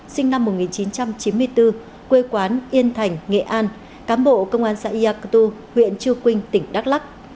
sinh năm một nghìn chín trăm chín mươi bốn quê quán yên thành nghệ an cám bộ công an xã ia cơ tu huyện chư quynh tỉnh đắk lắc